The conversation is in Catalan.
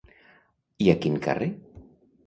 I a quin carrer?